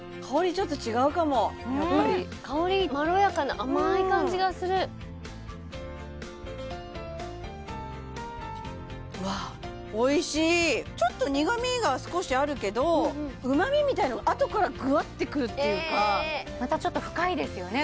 ちょっと違うかもやっぱりうん香りまろやかな甘い感じがするうわちょっと苦みが少しあるけど旨みみたいなのがあとからグワッてくるっていうかまたちょっと深いですよね